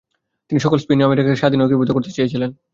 তিনি সকল স্পেনীয় আমেরিকাকে স্বাধীন ও একীভূত করতে চেয়েছিলেন।